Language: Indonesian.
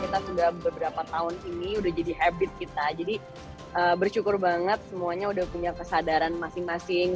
kita sudah beberapa tahun ini udah jadi habit kita jadi bersyukur banget semuanya udah punya kesadaran masing masing